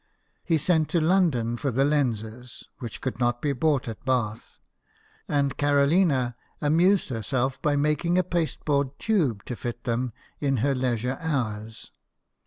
He sent to London for the lenses, which could not be bought at Bath ; and Carolina amused herself ioo BIOGRAPHIES OF WORKING MEN. by making a pasteboard tube to fit them in her leisure hours.